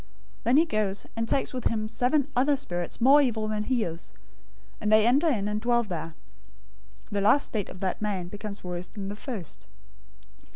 012:045 Then he goes, and takes with himself seven other spirits more evil than he is, and they enter in and dwell there. The last state of that man becomes worse than the first.